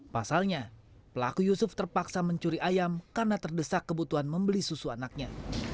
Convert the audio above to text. pasalnya pelaku yusuf terpaksa mencuri ayam karena terdesak kebutuhan membeli susu anaknya